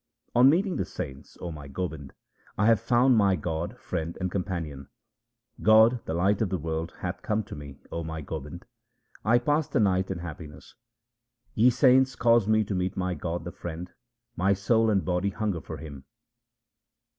On meeting the saints, O my Gobind, I have found my God, Friend, and Companion. God, the life of the world, hath come to me, O my Gobind ; I pass the night in happiness. Ye saints, cause me to meet my God, the Friend ; my soul and body hunger for Him.